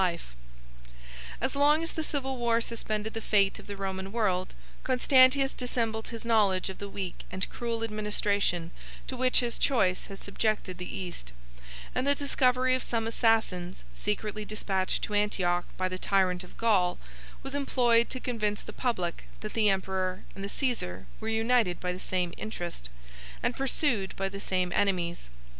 ] As long as the civil war suspended the fate of the Roman world, Constantius dissembled his knowledge of the weak and cruel administration to which his choice had subjected the East; and the discovery of some assassins, secretly despatched to Antioch by the tyrant of Gaul, was employed to convince the public, that the emperor and the Cæsar were united by the same interest, and pursued by the same enemies.